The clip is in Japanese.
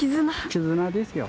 絆ですよ。